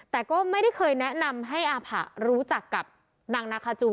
แต่ก็ไม่ได้เคยแนะนำให้อาผะรู้จักกับนางนาคาจู